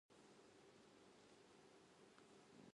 ガンダムとは人類の教科書であり、総意であるべきだ